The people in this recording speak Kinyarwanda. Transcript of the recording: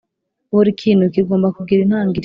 buri kintu kigomba kugira intangiriro